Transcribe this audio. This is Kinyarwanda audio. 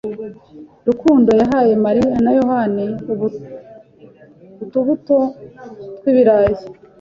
Rukundo yahaye Mariya na Yohana utubuto twibirayi.